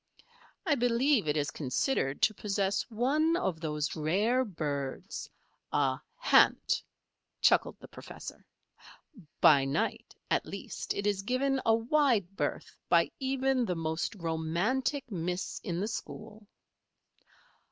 "I believe it is considered to possess one of those rare birds, a 'hant,'" chuckled the professor. "By night, at least, it is given a wide berth by even the most romantic miss in the school."